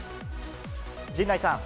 陣内さん。